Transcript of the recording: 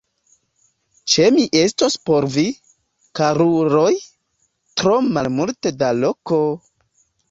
Ĉe mi estos por vi, karuloj, tro malmulte da loko!